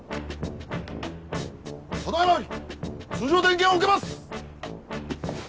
ただ今より通常点検を受けます！